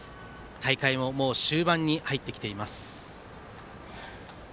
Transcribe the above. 大会ももう終盤に入ってきています。